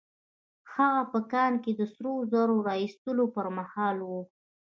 هغه په کان کې د سرو زرو د را ايستلو پر مهال وه.